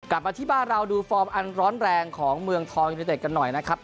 กลับมาที่บ้านเราดูฟอร์มอันร้อนแรงของเมืองทองยูนิเต็ดกันหน่อยนะครับ